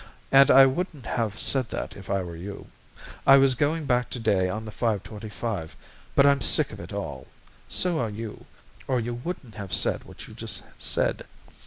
"And I wouldn't have said that, if I were you. I was going back to day on the 5:25, but I'm sick of it all. So are you, or you wouldn't have said what you just said.